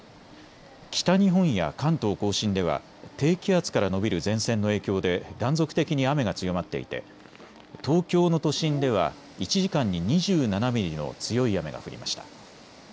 北日本や関東甲信では低気圧から延びる前線の影響で断続的に雨が強まっていて東京の都心では１時間に２７ミリの強い雨が降りました。